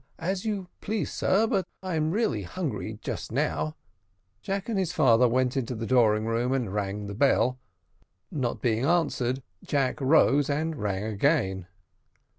"As you please, sir; but I am really hungry just now." Jack and his father went into the drawing room and rang the bell; not being answered, Jack rose and rang again.